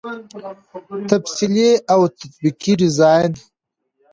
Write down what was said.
تفصیلي او تطبیقي ډيزاين